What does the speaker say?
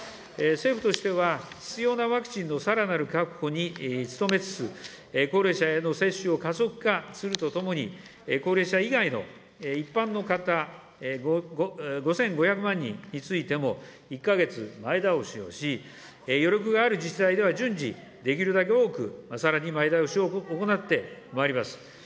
政府としては、必要なワクチンのさらなる確保に努めつつ、高齢者への接種を加速化するとともに、高齢者以外の一般の方、５５００万人についても１か月前倒しをし、余力がある自治体では、順次、できるだけ多くさらに前倒しを行ってまいります。